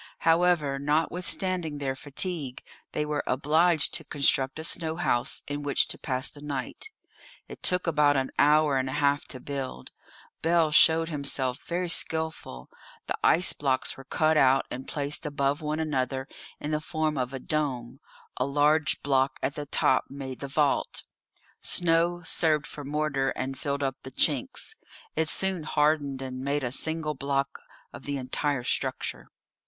However, notwithstanding their fatigue, they were obliged to construct a snow house in which to pass the night. It took about an hour and a half to build. Bell showed himself very skilful. The ice blocks were cut out and placed above one another in the form of a dome; a large block at the top made the vault. Snow served for mortar and filled up the chinks. It soon hardened and made a single block of the entire structure.